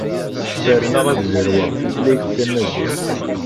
Ferneɣ ad zerweɣ tutlayt tamaziɣt.